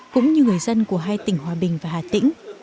cũng như người dân của hai tỉnh hòa bình và hà tĩnh